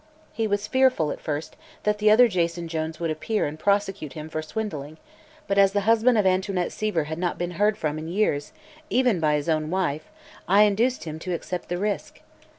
He was fearful, at first, that the other Jason Jones would appear and prosecute him for swindling, but as the husband of Antoinette Seaver had not been heard from in years, even by his own wife, I induced him to accept the risk.